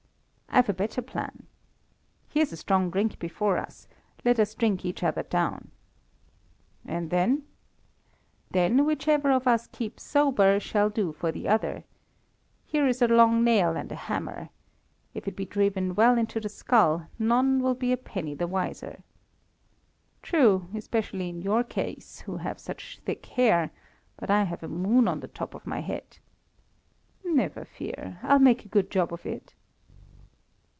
"I've a better plan. Here is strong drink before us; let us drink each other down." "And then?" "Then, whichever of us keeps sober shall do for the other. Here is a long nail and a hammer. If it be driven well into the skull, none will be a penny the wiser." "True, especially in your case, who have such thick hair; but I have a moon on the top of my head." "Never fear. I'll make a good job of it."